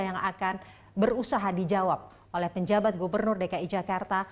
yang akan berusaha dijawab oleh penjabat gubernur dki jakarta